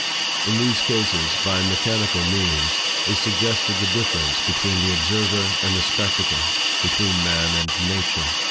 In these cases, by mechanical means, is suggested the difference between the observer and the spectacle, between man and nature.